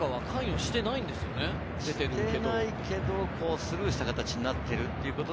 してないけど、スルーした形になっているので。